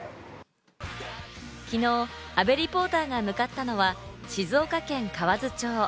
昨日、阿部リポーターが向かったのは静岡県河津町。